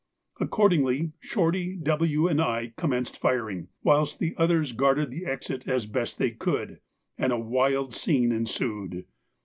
Accordingly Shorty, W., and I commenced firing, whilst the others guarded the exit as best they could, and a wild scene ensued.